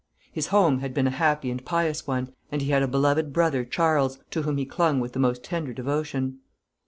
His home had been a happy and pious one, and he had a beloved brother Charles, to whom he clung with the most tender devotion.